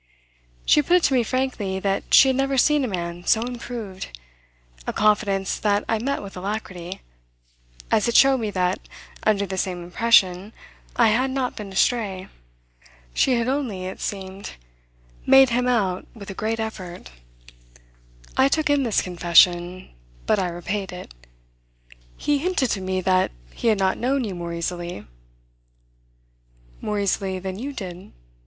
She put it to me frankly that she had never seen a man so improved: a confidence that I met with alacrity, as it showed me that, under the same impression, I had not been astray. She had only, it seemed, on seeing him, made him out with a great effort. I took in this confession, but I repaid it. "He hinted to me that he had not known you more easily." "More easily than you did?